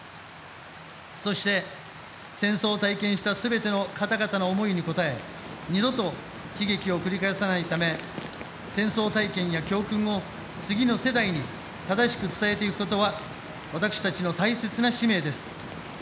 そして、戦争を体験したすべての方々の思いに応え二度と悲劇を繰り返さないため戦争体験や教訓を次の世代に正しく伝えていくことは私たちの大切な使命です。